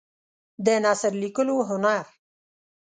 د نثر لیکلو هنر